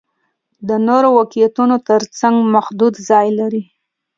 د نورو واقعیتونو تر څنګ محدود ځای لري.